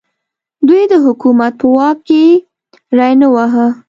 دوی د حکومت په واک کې ری نه واهه.